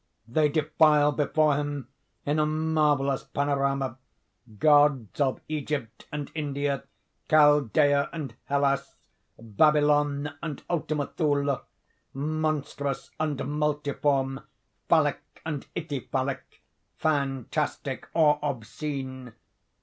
They defile before him in a marvellous panorama: Gods of Egypt and India, Chaldea and Hellas, Babylon and Ultima Thule, monstrous and multiform, phallic and ithyphallic, fantastic or obscene.